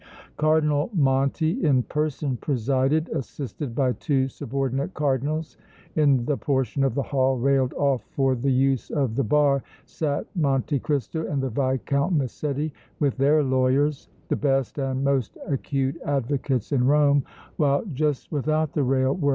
Cardinal Monti in person presided, assisted by two subordinate Cardinals. In the portion of the hall railed off for the use of the bar sat Monte Cristo and the Viscount Massetti with their lawyers, the best and most acute advocates in Rome, while just without the rail were M.